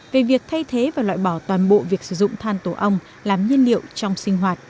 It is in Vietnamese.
về việc thay thế và loại bỏ toàn bộ việc sử dụng than tổ ong làm nhiên liệu trong sinh hoạt